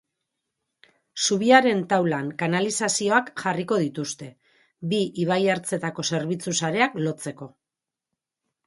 Zubiaren taulan kanalizazioak jarriko dituzte, bi ibaiertzetako zerbitzu sareak lotzeko.